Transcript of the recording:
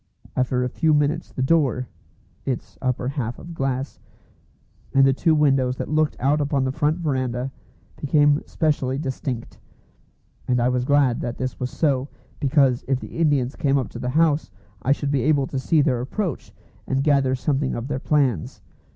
After a few minutes the door (its upper half of glass), and the two windows that looked out upon the front verandah, became specially distinct; and I was glad that this was so, because if the Indians came up to the house I should be able to see their approach, and gather something of their plans.